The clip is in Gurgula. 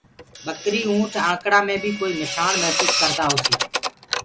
ٻڪري اُنٺ آنڪڙآ مي بي ڪوئي مٺآڻ مهسوس ڪردآ هو